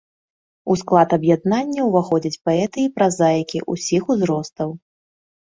У склад аб'яднання ўваходзяць паэты і празаікі ўсіх узростаў.